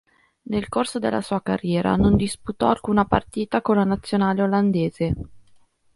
Nel corso della sua carriera non disputò alcuna partita con la nazionale olandese.